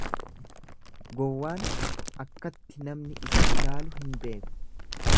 Gowwaan akkatti namni isa ilaalu hin beeku.